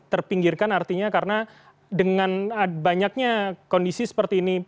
terpinggirkan artinya karena dengan banyaknya kondisi seperti ini